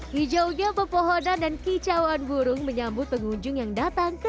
hijaunya pepohonan dan kicauan burung menyambut pengunjung yang datang ke